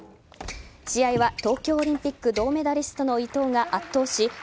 試合は東京オリンピック銅メダリストの伊藤が圧倒し